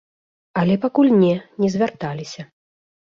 Але пакуль не, не звярталіся.